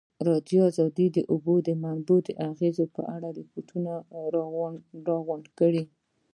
ازادي راډیو د د اوبو منابع د اغېزو په اړه ریپوټونه راغونډ کړي.